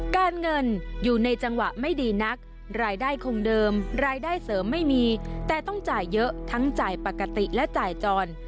การเงินอยู่ในจังหวะไม่ดีนักรายได้คงเดิมรายได้เสริมไม่มีแต่ต้องจ่ายเยอะทั้งจ่ายปกติและจ่ายจร